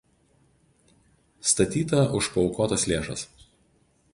Statyta už paaukotas lėšas.